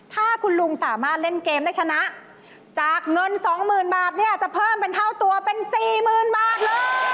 ถ้าคุณลุงสามารถเล่นเกมได้ชนะจากเงินสองหมื่นบาทเนี่ยจะเพิ่มเป็นเท่าตัวเป็นสี่หมื่นบาทเลย